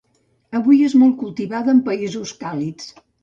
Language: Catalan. Avui és molt cultivada en països càlids.